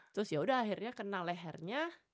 terus yaudah akhirnya kena lehernya